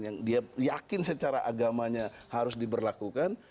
yang dia yakin secara agamanya harus diberlakukan